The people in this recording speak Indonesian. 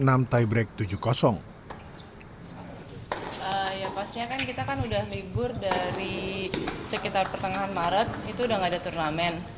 ya pastinya kan kita kan udah libur dari sekitar pertengahan maret itu udah gak ada turnamen